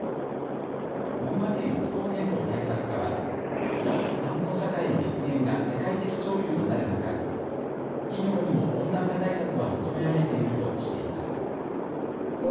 群馬県気候変動対策課は脱炭素社会の実現が世界的潮流となる中、企業にも温暖化対策は求められているとしています。